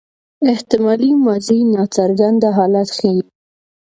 احتمالي ماضي ناڅرګند حالت ښيي.